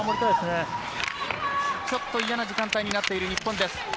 ちょっと嫌な時間帯になっている日本です。